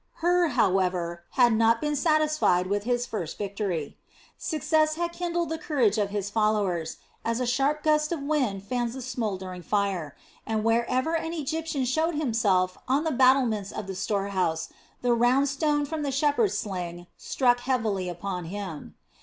Hur, however, had not been satisfied with his first victory. Success had kindled the courage of his followers, as a sharp gust of wind fans a smouldering fire, and wherever an Egyptian showed himself on the battlements of the store house, the round stone from a shepherd's sling struck heavily upon him.